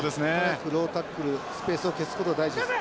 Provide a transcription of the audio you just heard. ロータックルスペースを消すことが大事です。